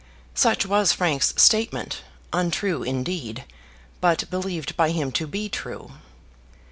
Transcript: Such was Frank's statement, untrue indeed, but believed by him to be true.